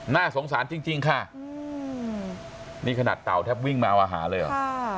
น่าสงสารจริงค่ะนี่ขนาดเต่าแทบวิ่งมาเอาอาหารเลยเหรอ